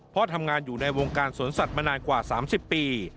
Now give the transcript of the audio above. เพราะทำงานอยู่ในวงการสวนสัตว์มานานกว่า๓๐ปี